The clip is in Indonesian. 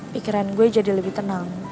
pikiran gue jadi lebih tenang